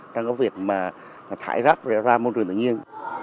trong cái việc mà thải rác ra môi trường tự nhiên